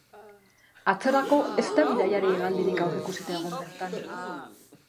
Atzorako ez da bidaiari-hegaldirik aurreikusita egon bertan.